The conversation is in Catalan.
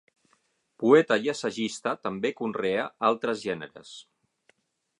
Poeta i assagista, també conrea altres gèneres.